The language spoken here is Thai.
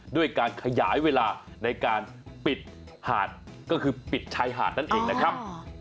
ด้วยการขยายเวลาในการปิดหาดก็คือปิดชายหาดนั่นเองนะครับ